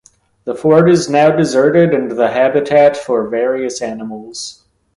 The fort is now deserted and the habitat for various animals.